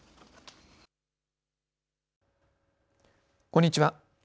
こんにちは。